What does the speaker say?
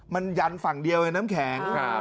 มันยันฝั่งเดียวไงน้ำแข็ง